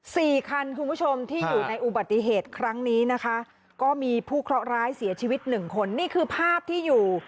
สี่คันคุณผู้ชมที่อยู่ในอุบัติเหตุครั้งนี้นะคะก็มีผู้เคราะห์ร้ายเสียชีวิตหนึ่งคนนี่คือภาพที่อยู่